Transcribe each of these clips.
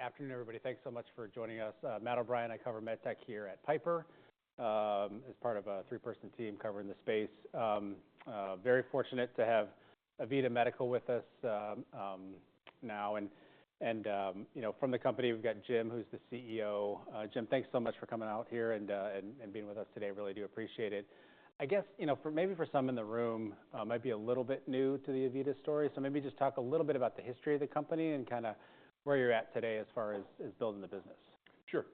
Good afternoon, everybody. Thanks so much for joining us. Matt O'Brien, I cover MedTech here at Piper, as part of a three-person team covering the space. Very fortunate to have AVITA Medical with us, now. And, you know, from the company, we've got Jim, who's the CEO. Jim, thanks so much for coming out here and being with us today. I really do appreciate it. I guess, you know, for maybe for some in the room, might be a little bit new to the AVITA story. So maybe just talk a little bit about the history of the company and kinda where you're at today as far as building the business. Sure.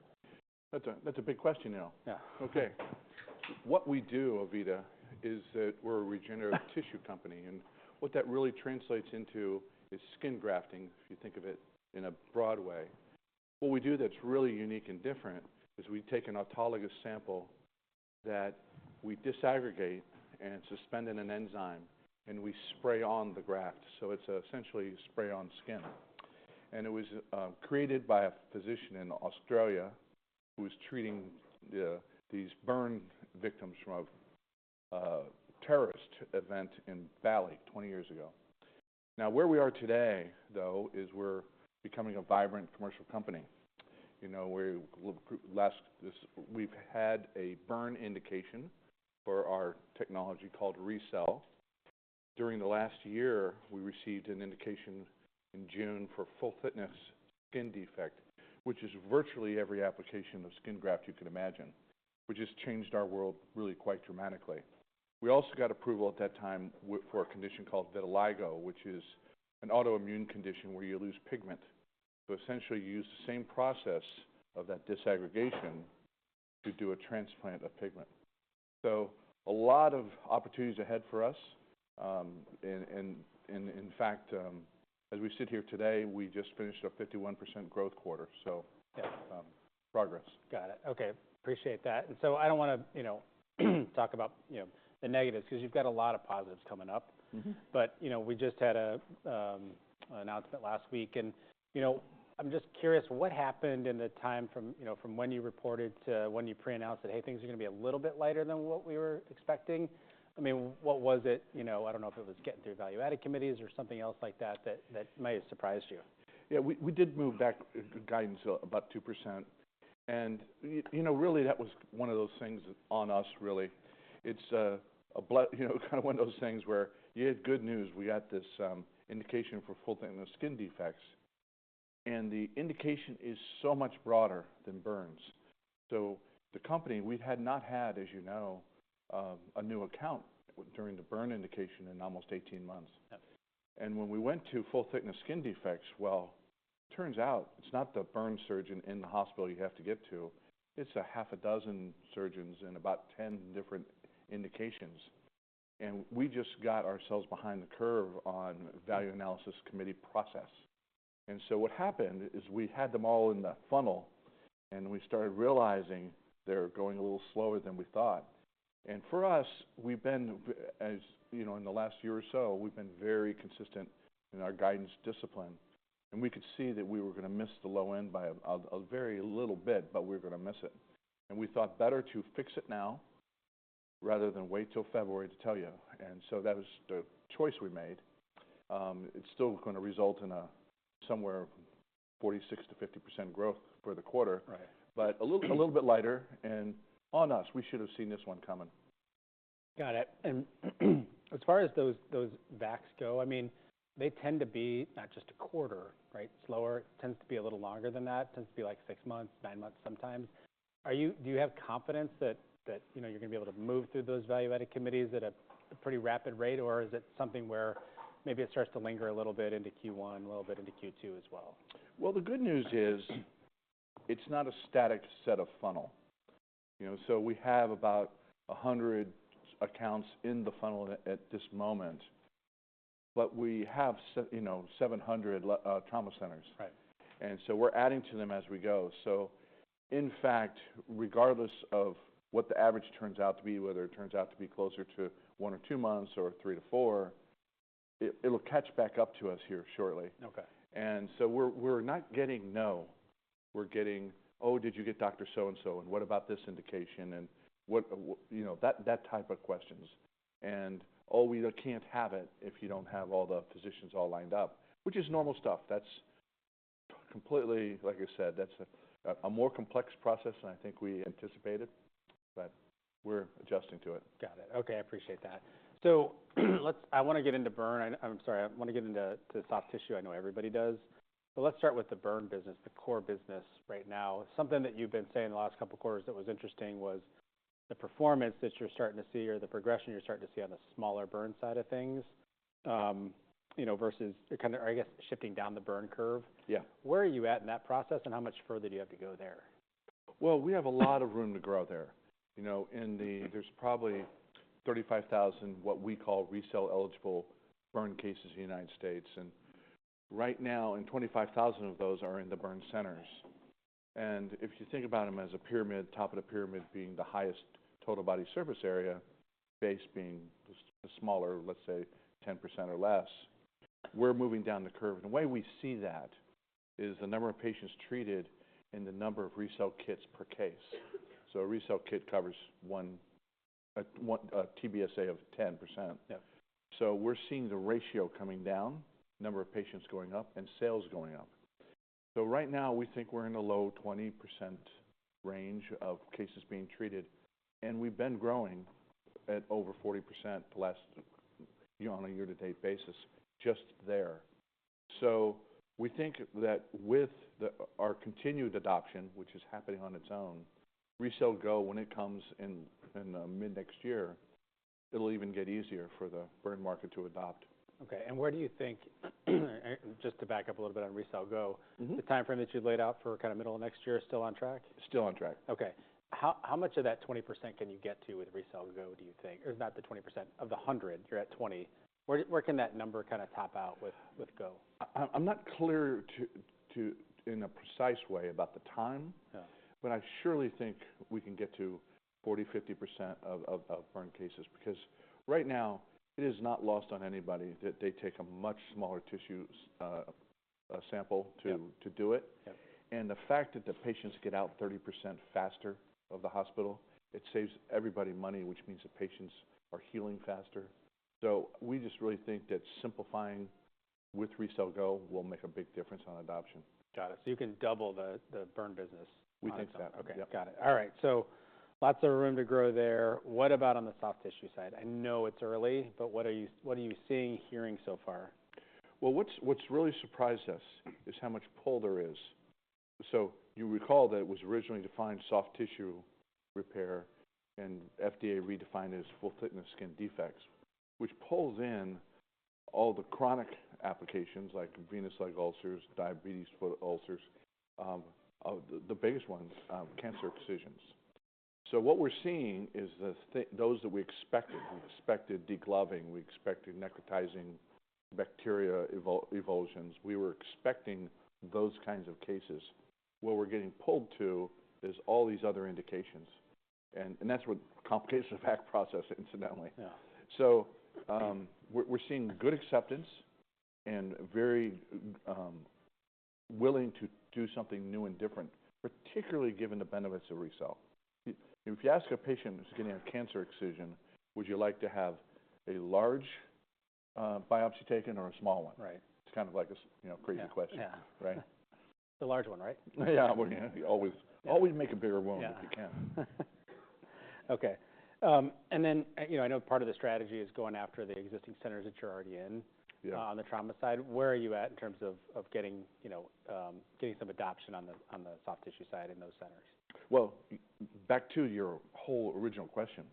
That's a big question, you know? Yeah. Okay. What we do, AVITA, is that we're a regenerative tissue company, and what that really translates into is skin grafting, if you think of it in a broad way. What we do that's really unique and different is we take an autologous sample that we disaggregate and suspend in an enzyme, and we spray on the graft. So it's essentially spray-on skin. And it was created by a physician in Australia who was treating these burn victims from a terrorist event in Bali 20 years ago. Now, where we are today, though, is we're becoming a vibrant commercial company. You know, we've had a burn indication for our technology called RECELL. During the last year, we received an indication in June for full-thickness skin defect, which is virtually every application of skin graft you can imagine, which has changed our world really quite dramatically. We also got approval at that time for a condition called vitiligo, which is an autoimmune condition where you lose pigment. So essentially, you use the same process of that disaggregation to do a transplant of pigment. So a lot of opportunities ahead for us. And in fact, as we sit here today, we just finished a 51% growth quarter. So- Yeah. Um, progress. Got it. Okay, appreciate that. And so I don't wanna, you know, talk about, you know, the negatives because you've got a lot of positives coming up. Mm-hmm. You know, we just had an announcement last week, and, you know, I'm just curious, what happened in the time from, you know, from when you reported to when you pre-announced that, "Hey, things are gonna be a little bit lighter than what we were expecting"? I mean, what was it? You know, I don't know if it was getting through value analysis committees or something else like that, that may have surprised you. Yeah, we did move back guidance about 2%, and you know, really, that was one of those things on us, really. It's a you know, kind of one of those things where you had good news. We got this indication for full-thickness skin defects, and the indication is so much broader than burns. So the company, we had not had, as you know, a new account during the burn indication in almost 18 months. Yeah. When we went to full-thickness skin defects, well, turns out it's not the burn surgeon in the hospital you have to get to, it's a half a dozen surgeons and about ten different indications. We just got ourselves behind the curve on value analysis committee process. What happened is we had them all in the funnel, and we started realizing they're going a little slower than we thought. For us, as you know, in the last year or so, we've been very consistent in our guidance discipline, and we could see that we were gonna miss the low end by a very little bit, but we were gonna miss it. We thought better to fix it now rather than wait till February to tell you. That was the choice we made. It's still gonna result in somewhere 46%-50% growth for the quarter. Right. But a little bit lighter, and on us, we should have seen this one coming. Got it. As far as those VACs go, I mean, they tend to be not just a quarter, right? Slower. Tends to be a little longer than that. Tends to be like 6 months, 9 months sometimes. Do you have confidence that you know you're gonna be able to move through those value analysis committees at a pretty rapid rate, or is it something where maybe it starts to linger a little bit into Q1, a little bit into Q2 as well? Well, the good news is, it's not a static set of funnel, you know. So we have about 100 accounts in the funnel at this moment, but we have, you know, 700 level trauma centers. Right. We're adding to them as we go. In fact, regardless of what the average turns out to be, whether it turns out to be closer to one or two months or 3-4, it'll catch back up to us here shortly. Okay. And so we're not getting no. We're getting, "Oh, did you get Dr. So-and-so, and what about this indication, and what..." You know, that type of questions. "Oh, we can't have it if you don't have all the physicians all lined up," which is normal stuff. That's completely... Like I said, that's a more complex process than I think we anticipated, but we're adjusting to it. Got it. Okay, I appreciate that. So, I wanna get into burn. I'm sorry, I wanna get into soft tissue. I know everybody does. But let's start with the burn business, the core business right now. Something that you've been saying the last couple of quarters that was interesting was the performance that you're starting to see or the progression you're starting to see on the smaller burn side of things, you know, versus kind of, I guess, shifting down the burn curve. Yeah. Where are you at in that process, and how much further do you have to go there? Well, we have a lot of room to grow there. You know, in, there's probably 35,000, what we call RECELL-eligible burn cases in the United States, and right now, and 25,000 of those are in the burn centers. And if you think about them as a pyramid, top of the pyramid being the highest total body surface area, base being the smaller, let's say 10% or less, we're moving down the curve. And the way we see that is the number of patients treated and the number of RECELL kits per case. So a RECELL kit covers one, a TBSA of 10%. Yeah. So we're seeing the ratio coming down, number of patients going up, and sales going up. So right now, we think we're in the low 20% range of cases being treated, and we've been growing at over 40% last, you know, on a year-to-date basis, just there. So we think that with our continued adoption, which is happening on its own, RECELL GO, when it comes in mid-next year, it'll even get easier for the burn market to adopt. Okay, and where do you think, just to back up a little bit on RECELL GO- Mm-hmm. The timeframe that you've laid out for kinda middle of next year is still on track? Still on track. Okay. How much of that 20% can you get to with RECELL GO, do you think? Or not the 20%, of the 100, you're at 20. Where can that number kinda top out with GO? I'm not clear in a precise way about the time- Yeah... but I surely think we can get to 40%-50% of burn cases. Because right now, it is not lost on anybody that they take a much smaller tissue sample to- Yeah... to do it. Yeah. The fact that the patients get out of the hospital 30% faster, it saves everybody money, which means the patients are healing faster. So we just really think that simplifying with RECELL GO will make a big difference on adoption. Got it. So you can double the burn business? We think so. Okay. Yep. Got it. All right. So lots of room to grow there. What about on the soft tissue side? I know it's early, but what are you seeing, hearing so far? Well, what's really surprised us is how much pull there is. So you recall that it was originally defined soft tissue repair, and FDA redefined it as full-thickness skin defects, which pulls in all the chronic applications like venous leg ulcers, diabetic foot ulcers, the biggest ones, cancer incisions. So what we're seeing is those that we expected. We expected degloving, we expected necrotizing fasciitis avulsions. We were expecting those kinds of cases. What we're getting pulled to is all these other indications, and that's with complications of PMA process, incidentally. Yeah. So, we're seeing good acceptance and very willing to do something new and different, particularly given the benefits of RECELL. If you ask a patient who's getting a cancer excision, "Would you like to have a large biopsy taken or a small one? Right. It's kind of like this, you know, crazy question. Yeah. Right? The large one, right? Yeah, well, you always, always make a bigger wound- Yeah... if you can. Okay. And then, you know, I know part of the strategy is going after the existing centers that you're already in- Yeah... on the trauma side. Where are you at in terms of getting, you know, some adoption on the soft tissue side in those centers? Well, back to your whole original question,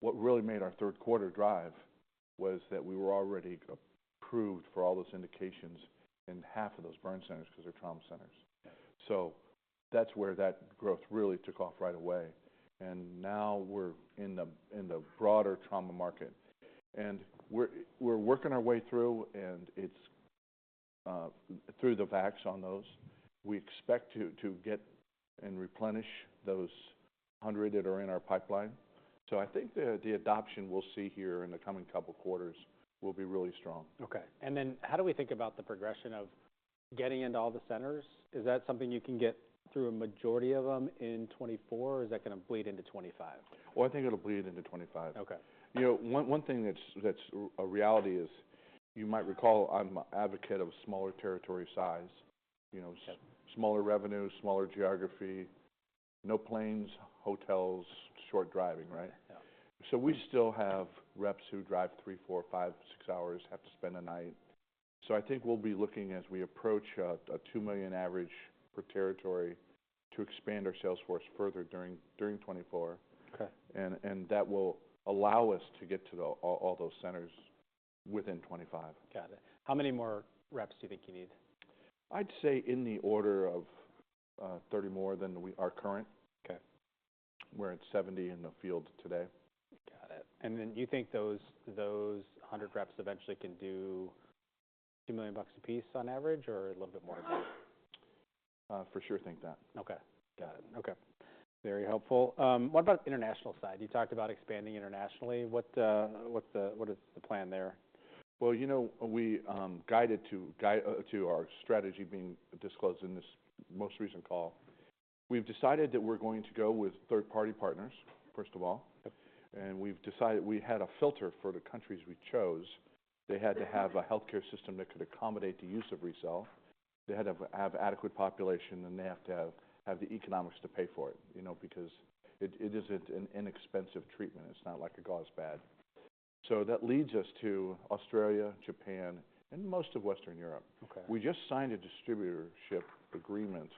what really made our third quarter drive was that we were already approved for all those indications in half of those burn centers because they're trauma centers. Yeah. So that's where that growth really took off right away, and now we're in the broader trauma market. And we're working our way through, and it's through the VAC on those. We expect to get and replenish those 100 that are in our pipeline. So I think the adoption we'll see here in the coming couple quarters will be really strong. Okay. And then how do we think about the progression of getting into all the centers? Is that something you can get through a majority of them in 2024, or is that gonna bleed into 2025? Oh, I think it'll bleed into 2025. Okay. You know, one thing that's a reality is, you might recall, I'm an advocate of smaller territory size. You know- Yeah... smaller revenue, smaller geography, no planes, hotels, short driving, right? Yeah. So we still have reps who drive three, four, five, six hours, have to spend the night. So I think we'll be looking as we approach a $2 million average per territory to expand our sales force further during 2024. Okay. And that will allow us to get to all those centers within 2025. Got it. How many more reps do you think you need? I'd say in the order of 30 more than our current. Okay. We're at 70 in the field today. Got it. And then do you think those 100 reps eventually can do $2 million a piece on average or a little bit more? For sure think that. Okay. Got it. Okay, very helpful. What about international side? You talked about expanding internationally. What is the plan there? Well, you know, we guided to our strategy being disclosed in this most recent call. We've decided that we're going to go with third-party partners, first of all. Yep. We've decided we had a filter for the countries we chose. Mm-hmm. They had to have a healthcare system that could accommodate the use of RECELL. They had to have adequate population, and they have to have, have the economics to pay for it, you know, because it, it isn't an inexpensive treatment. It's not like a gauze pad. So that leads us to Australia, Japan, and most of Western Europe. Okay. We just signed a distributorship agreement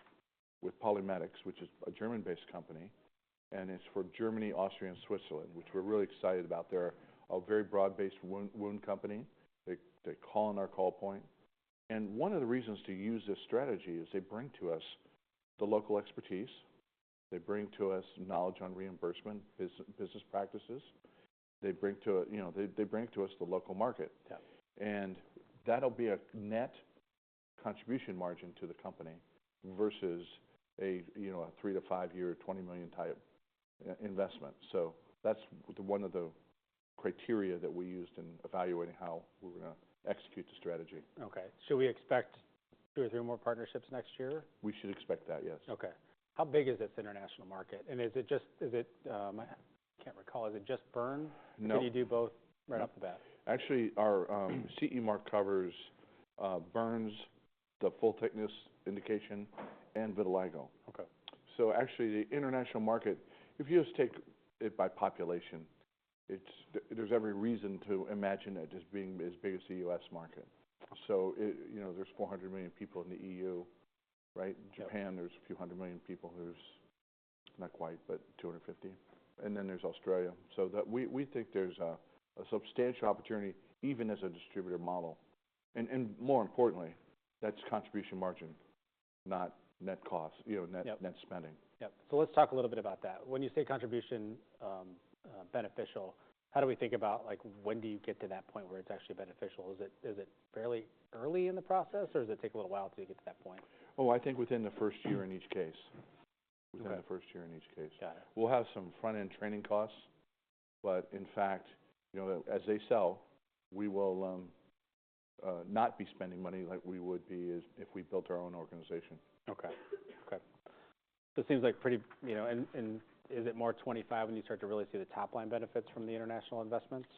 with PolyMedics, which is a German-based company, and it's for Germany, Austria, and Switzerland, which we're really excited about. They're a very broad-based wound company. They call on our call point. And one of the reasons to use this strategy is they bring to us the local expertise. They bring to us knowledge on reimbursement, business practices. They bring to... you know, they bring to us the local market. Yeah. That'll be a net contribution margin to the company versus a, you know, a three- to five-year, $20 million-type investment. So that's one of the criteria that we used in evaluating how we were gonna execute the strategy. Okay. So we expect two or three more partnerships next year? We should expect that, yes. Okay. How big is this international market? And is it just, is it, I can't recall, is it just burn? No. Can you do both right off the bat? Actually, our CE Mark covers burns, the full-thickness indication, and vitiligo. Okay. So actually, the international market, if you just take it by population, it's, there's every reason to imagine it as being as big as the U.S. market. So it, you know, there's 400 million people in the E.U., right? Yeah. In Japan, there's a few hundred million people. There's not quite, but 250, and then there's Australia. So that we, we think there's a, a substantial opportunity, even as a distributor model, and, and more importantly, that's contribution margin, not net cost, you know- Yep... net, net spending. Yep. So let's talk a little bit about that. When you say contribution, beneficial, how do we think about, like, when do you get to that point where it's actually beneficial? Is it, is it fairly early in the process, or does it take a little while to get to that point? Oh, I think within the first year in each case. Okay. Within the first year in each case. Got it. We'll have some front-end training costs, but in fact, you know, as they sell, we will not be spending money like we would be as if we built our own organization. Okay. Okay. So it seems like pretty, you know. And is it more like 25 when you start to really see the top-line benefits from the international investments?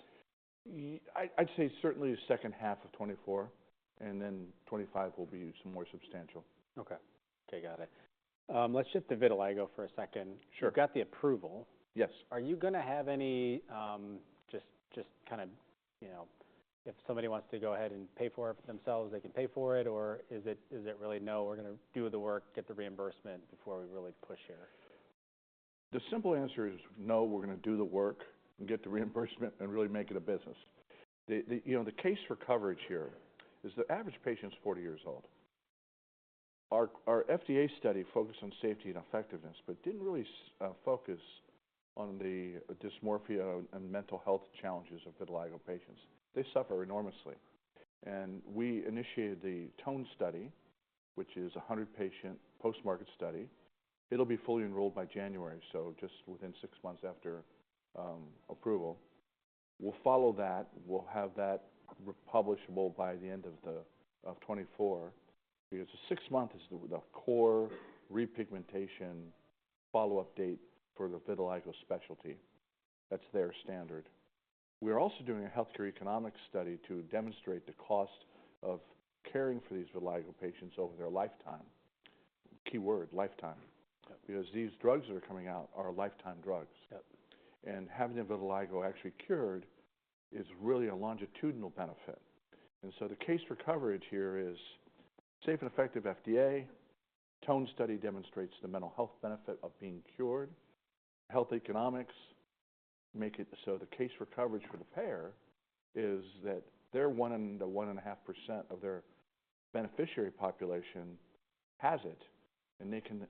I'd say certainly the second half of 2024, and then 2025 will be some more substantial. Okay. Okay, got it. Let's shift to vitiligo for a second. Sure. You got the approval. Yes. Are you gonna have any, just kind of, you know, if somebody wants to go ahead and pay for it themselves, they can pay for it, or is it really, "No, we're gonna do the work, get the reimbursement before we really push here? The simple answer is, no, we're gonna do the work and get the reimbursement and really make it a business. The you know, the case for coverage here is the average patient's 40 years old. Our, our FDA study focused on safety and effectiveness, but didn't really focus on the dysmorphia and mental health challenges of vitiligo patients. They suffer enormously. And we initiated the TONE Study, which is a 100-patient post-market study. It'll be fully enrolled by January, so just within six months after approval. We'll follow that. We'll have that publishable by the end of 2024, because the six months is the core repigmentation follow-up date for the vitiligo specialty. That's their standard. We are also doing a healthcare economic study to demonstrate the cost of caring for these vitiligo patients over their lifetime. Key word, lifetime- Yep... because these drugs that are coming out are lifetime drugs. Yep. Having vitiligo actually cured is really a longitudinal benefit. So the case for coverage here is safe and effective FDA. TONE Study demonstrates the mental health benefit of being cured. Health economics make it so the case for coverage for the payer is that their 1.5% of their beneficiary population has it, and they can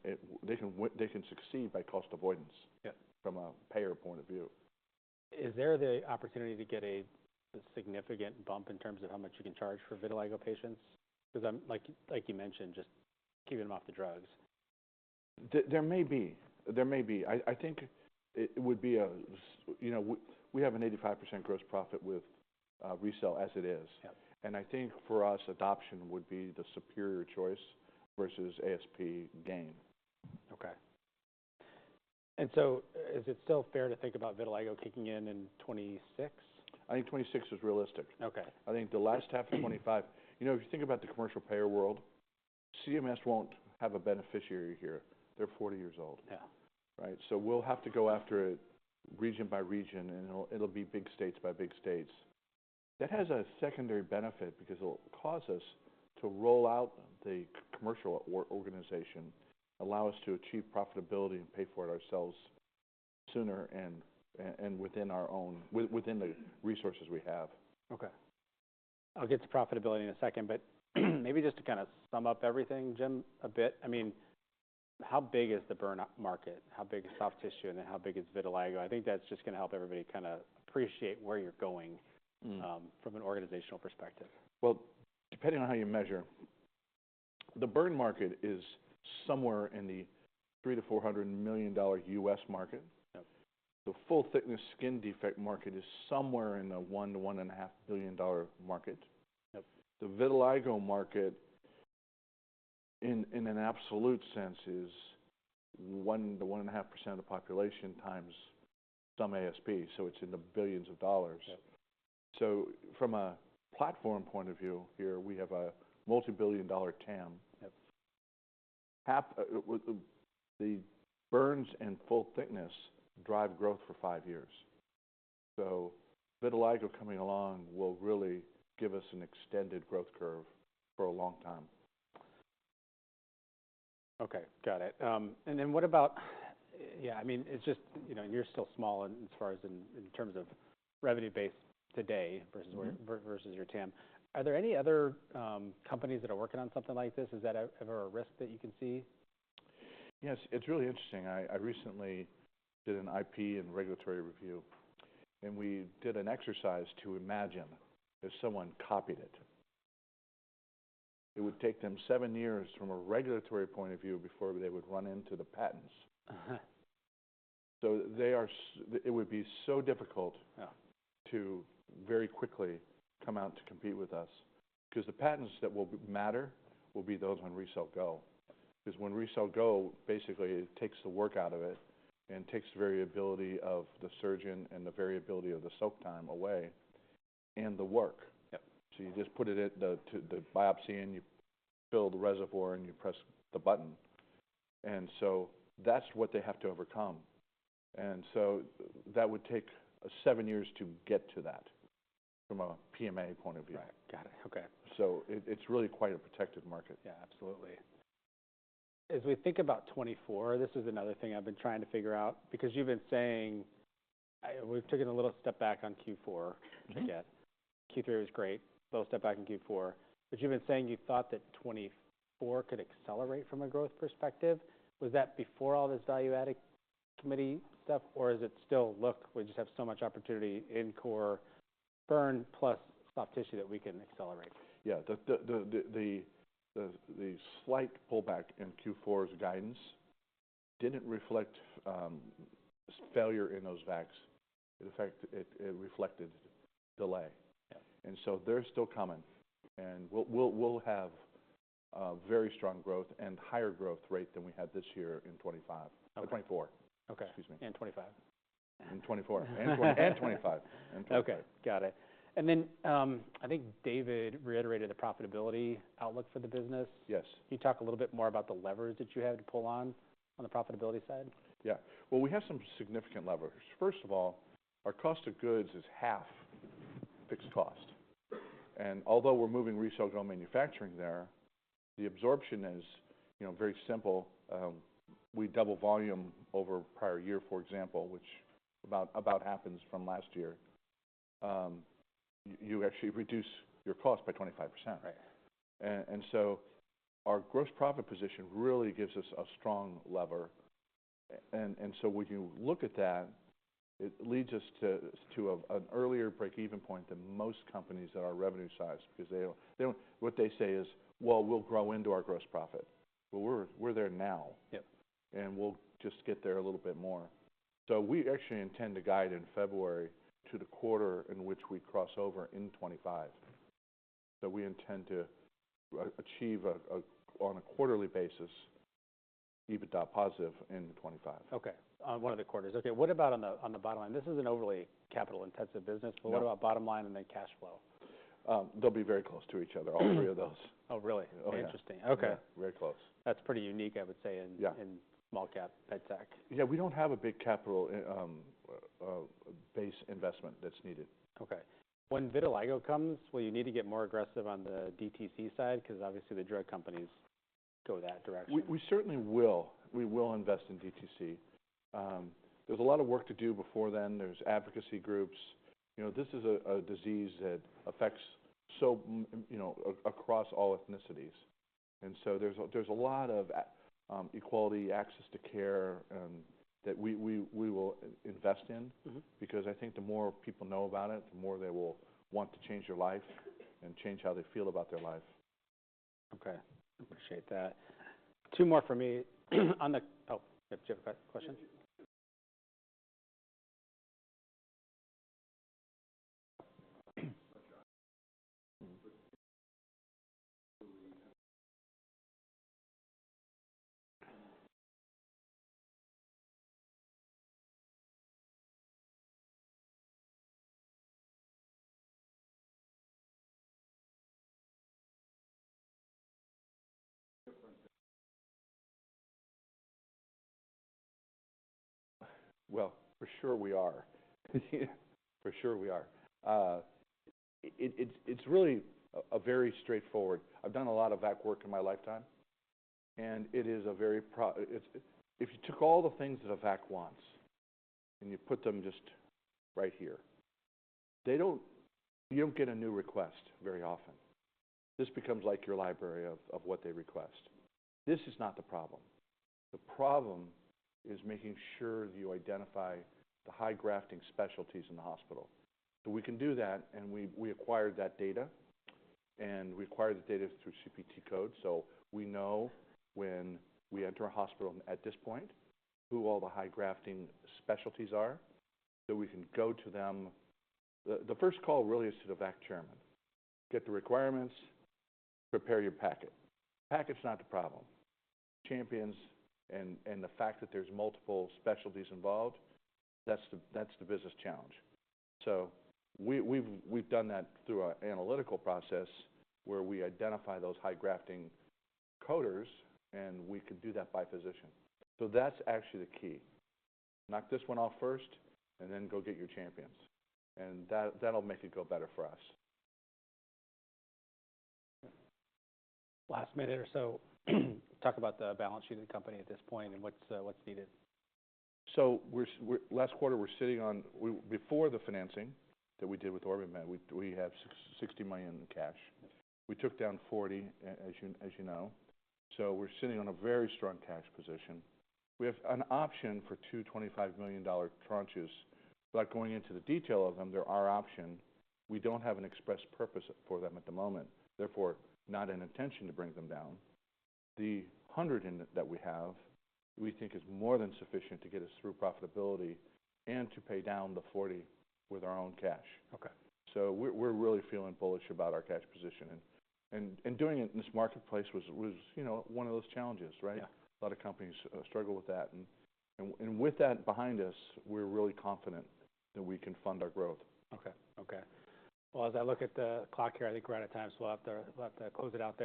succeed by cost avoidance- Yep... from a payer point of view. Is there the opportunity to get a significant bump in terms of how much you can charge for vitiligo patients? Because, like you mentioned, just keeping them off the drugs. There may be. I think it would be a... You know, we have an 85% gross profit with RECELL as it is. Yep. I think for us, adoption would be the superior choice versus ASP gain. Okay. And so is it still fair to think about vitiligo kicking in in 2026? I think 2026 is realistic. Okay. I think the last half of 2025. You know, if you think about the commercial payer world, CMS won't have a beneficiary here. They're 40 years old. Yeah. Right? So we'll have to go after it region by region, and it'll be big states by big states. That has a secondary benefit because it'll cause us to roll out the commercial organization, allow us to achieve profitability and pay for it ourselves sooner and within the resources we have. Okay. I'll get to profitability in a second, but maybe just to kind of sum up everything, Jim, a bit. I mean, how big is the burn market? How big is soft tissue, and how big is vitiligo? I think that's just gonna help everybody kind of appreciate where you're going- Mm... from an organizational perspective. Well, depending on how you measure, the burn market is somewhere in the $300 million-$400 million U.S. market. Yep. The full-thickness skin defect market is somewhere in the $1 billion-$1.5 billion market. Yep. The vitiligo market, in an absolute sense, is 1%-1.5% of population times some ASP, so it's in the $ billions. Yep. From a platform point of view here, we have a multibillion-dollar TAM. Yep. Halfway, the burns and full-thickness drive growth for five years. So vitiligo coming along will really give us an extended growth curve for a long time. Okay, got it. And then what about... Yeah, I mean, it's just, you know, you're still small in, as far as in, in terms of revenue base today versus your- Mm-hmm... versus your TAM. Are there any other companies that are working on something like this? Is that ever a risk that you can see? Yes, it's really interesting. I recently did an IP and regulatory review, and we did an exercise to imagine if someone copied it. It would take them seven years from a regulatory point of view before they would run into the patents. Uh-huh. So they are it would be so difficult... Yeah. to very quickly come out to compete with us, because the patents that will matter will be those on RECELL GO. Because when RECELL GO basically takes the work out of it and takes the variability of the surgeon and the variability of the soak time away, and the work. Yep. You just put it at the biopsy, and you fill the reservoir, and you press the button. That's what they have to overcome. That would take seven years to get to that from a PMA point of view. Right. Got it. Okay. So it's really quite a protected market. Yeah, absolutely. As we think about 2024, this is another thing I've been trying to figure out, because you've been saying, we've taken a little step back on Q4, I guess. Mm-hmm. Q3 was great. Little step back in Q4. But you've been saying you thought that 2024 could accelerate from a growth perspective. Was that before all this value-added committee stuff? Or is it still, "Look, we just have so much opportunity in core burn plus soft tissue that we can accelerate? Yeah. The slight pullback in Q4's guidance didn't reflect failure in those VACs. In fact, it reflected delay. Yeah. And so they're still coming, and we'll have very strong growth and higher growth rate than we had this year in 2025- Okay. or 2024. Okay. Excuse me. And twenty-five. And 2024. And 2025. And 2025. Okay, got it. And then, I think David reiterated the profitability outlook for the business. Yes. Can you talk a little bit more about the levers that you have to pull on the profitability side? Yeah. Well, we have some significant levers. First of all, our cost of goods is half fixed cost. And although we're moving RECELL GO manufacturing there, the absorption is, you know, very simple. We double volume over prior year, for example, which about happens from last year. You actually reduce your cost by 25%. Right. So our gross profit position really gives us a strong lever. And so when you look at that, it leads us to an earlier breakeven point than most companies at our revenue size, because they don't, what they say is, "Well, we'll grow into our gross profit." But we're there now. Yep. We'll just get there a little bit more. We actually intend to guide in February to the quarter in which we cross over in 2025. We intend to achieve, on a quarterly basis, EBITDA positive in 2025. Okay, on one of the quarters. Okay, what about the bottom line? This is an overly capital-intensive business- Yeah. but what about bottom line and then cash flow? They'll be very close to each other, all three of those. Oh, really? Oh, yeah. Interesting. Okay. Very close. That's pretty unique, I would say, in- Yeah - in small-cap pet tech. Yeah, we don't have a big capital base investment that's needed. Okay. When vitiligo comes, will you need to get more aggressive on the DTC side? Because obviously, the drug companies go that direction. We certainly will. We will invest in DTC. There's a lot of work to do before then. There's advocacy groups. You know, this is a disease that affects you know, across all ethnicities. And so there's a lot of equality, access to care, that we will invest in. Mm-hmm. Because I think the more people know about it, the more they will want to change their life and change how they feel about their life. Okay, I appreciate that. Two more for me. On the... Oh, do you have a question? ... Well, for sure we are. For sure we are. It's really a very straightforward... I've done a lot of VAC work in my lifetime, and it is a very pro-- If you took all the things that a VAC wants and you put them just right here, you don't get a new request very often. This becomes like your library of what they request. This is not the problem. The problem is making sure you identify the high-grafting specialties in the hospital. So we can do that, and we acquired that data, and we acquired the data through CPT code. So we know when we enter a hospital at this point, who all the high-grafting specialties are, so we can go to them. The first call really is to the VAC chairman. Get the requirements, prepare your packet. Packet's not the problem. Champions and the fact that there's multiple specialties involved, that's the business challenge. So we've done that through our analytical process, where we identify those high-grafting coders, and we could do that by physician. So that's actually the key. Knock this one off first, and then go get your champions, and that'll make it go better for us. Last minute or so, talk about the balance sheet of the company at this point and what's, what's needed. So last quarter, we're sitting on $60 million in cash before the financing that we did with OrbiMed. We took down $40 million, as you know, so we're sitting on a very strong cash position. We have an option for two $25 million tranches. Without going into the detail of them, they're our option. We don't have an express purpose for them at the moment, therefore, no intention to bring them down. The $100 million that we have, we think is more than sufficient to get us through profitability and to pay down the $40 million with our own cash. Okay. So we're really feeling bullish about our cash position. Doing it in this marketplace was, you know, one of those challenges, right? Yeah. A lot of companies struggle with that. And with that behind us, we're really confident that we can fund our growth. Okay. Okay. Well, as I look at the clock here, I think we're out of time, so we'll have to, we'll have to close it out there.